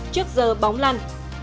trước giờ bóng lằn